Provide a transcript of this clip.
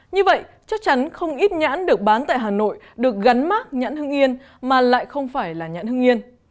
nhãn lồng hương yên mà lại không phải là nhãn hương yên